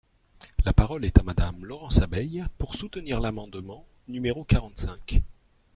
La parole est à Madame Laurence Abeille, pour soutenir l’amendement numéro quarante-cinq.